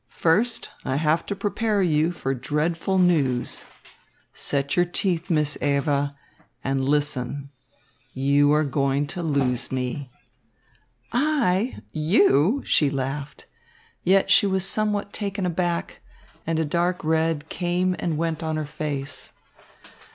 First I have to prepare you for dreadful news. Set your teeth, Miss Eva, and listen you are going to lose me." "I, you!" she laughed. Yet she was somewhat taken aback, and a dark red came and went on her face.